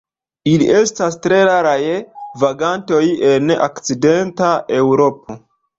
Ili estas tre raraj vagantoj en okcidenta Eŭropo.